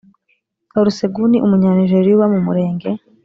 Olusegun Umunyanijeriya uba mu Murenge